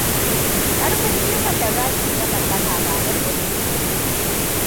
Karfin iko da zaki ya mallaka ba na doki bane.